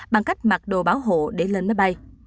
bằng cách mặc đồ bảo hộ để lên máy bay